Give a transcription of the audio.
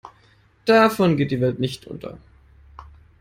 Davon geht die Welt nicht unter.